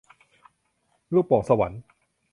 ลูกโป่งสวรรค์